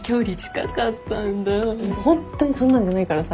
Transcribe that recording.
ホントにそんなんじゃないからさ。